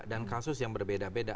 dan kasus yang berbeda beda